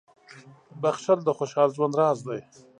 • بښل د خوشحال ژوند راز دی.